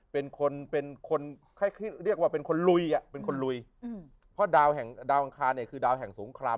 เป็นคนเรียกว่าเป็นคนลุยเป็นคนลุยเพราะดาวอังคารเนี่ยคือดาวแห่งสงคราม